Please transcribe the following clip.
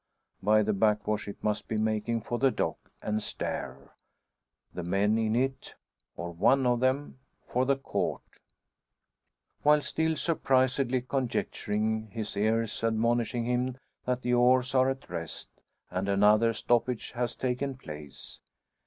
By the backwash it must be making for the dock and stair; the men in it, or one of them, for the Court. While still surprisedly conjecturing, his ears admonish him that the oars are at rest, and another stoppage has taken place.